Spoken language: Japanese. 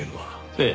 ええ。